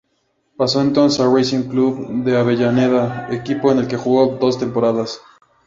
Pasó entonces al Racing Club de Avellaneda, equipo en el que jugó dos temporadas.